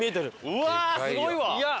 うわーすごいわ！